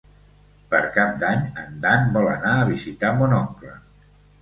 Per Cap d'Any en Dan vol anar a visitar mon oncle.